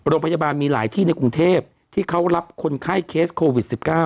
โรงพยาบาลมีหลายที่ในกรุงเทพที่เขารับคนไข้เคสโควิด๑๙